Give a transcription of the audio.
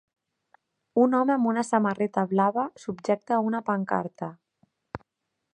Un home amb una samarreta blava subjecta una pancarta